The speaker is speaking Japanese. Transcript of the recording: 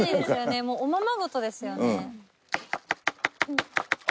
もうおままごとですよね。